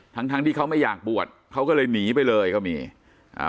ทั้งทั้งที่เขาไม่อยากบวชเขาก็เลยหนีไปเลยก็มีอ่า